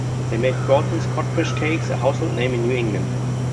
They made Gorton's codfish cakes a household name in New England.